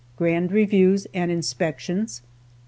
GRAND REVIEWS AND INSPECTIONS.